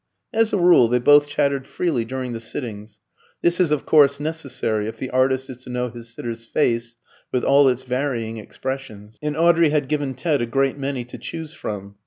As a rule, they both chattered freely during the sittings. This is, of course, necessary, if the artist is to know his sitter's face with all its varying expressions; and Audrey had given Ted a great many to choose from.